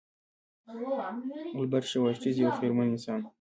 البرټ شوایتزر یو خیرمن انسان و.